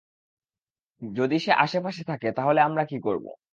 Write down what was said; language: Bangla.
যদি সে আশেপাশে থাকে তাহলে আমরা কি করব?